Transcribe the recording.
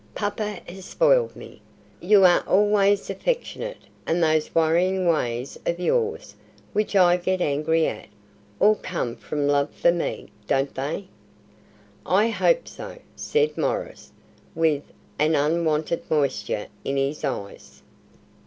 Papa has spoiled me. You are always affectionate, and those worrying ways of yours, which I get angry at, all come from love for me, don't they?" "I hope so," said Maurice, with an unwonted moisture in his eyes.